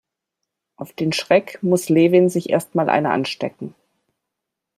Auf den Schreck muss Levin sich erst mal eine anstecken.